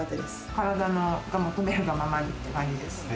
体が求めるがままにって感じです。